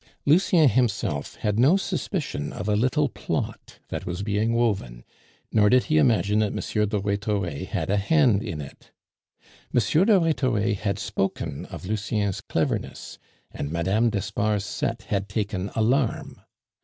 Lucien himself had no suspicion of a little plot that was being woven, nor did he imagine that M. de Rhetore had a hand in it. M. de Rhetore had spoken of Lucien's cleverness, and Mme. d'Espard's set had taken alarm.